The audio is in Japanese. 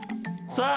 さあ。